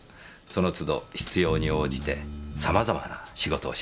その都度必要に応じて様々な仕事をします。